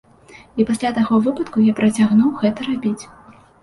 І пасля таго выпадку я працягнуў гэта рабіць.